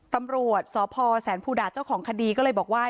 ตำรวจสพแสนภูดาเจ้าของคดีก็เลยบอกว่า